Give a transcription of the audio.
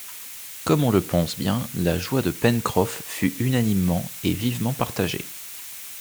Comme on le pense bien, la joie de Pencroff fut unanimement et vivement partagée